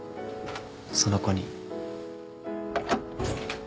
その子に。